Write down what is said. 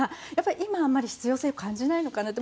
今、あんまり必要性を感じないのかなと。